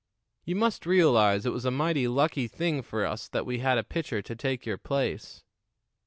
You must realize it was a mighty lucky thing for us that we had a pitcher to take your place.